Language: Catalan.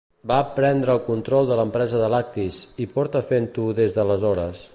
Va prendre el control de l'empresa de lactis, i porta fent-ho des d'aleshores.